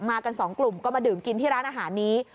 กันสองกลุ่มก็มาดื่มกินที่ร้านอาหารนี้